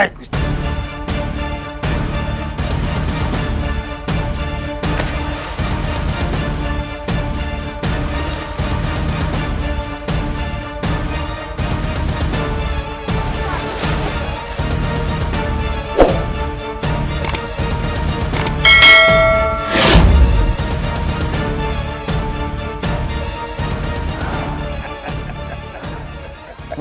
kita lebih jauh dari bilik ini